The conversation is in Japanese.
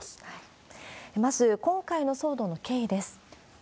まず、今回の騒動の経緯です。